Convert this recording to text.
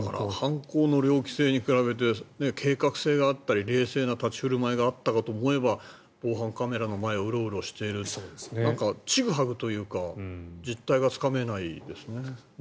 犯行の猟奇性に比べて計画性があったり冷静な立ち振る舞いがあったかと思えば防犯カメラの前をうろうろしているなんか、ちぐはぐというか実態がつかめないですね。